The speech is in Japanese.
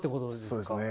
そうですね。